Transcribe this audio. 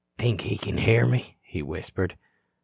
"Think he kin hear me," he whispered.